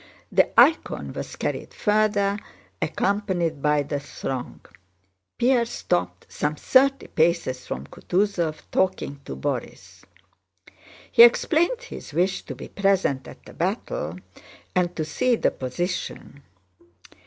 The icon was carried further, accompanied by the throng. Pierre stopped some thirty paces from Kutúzov, talking to Borís. He explained his wish to be present at the battle and to see the position.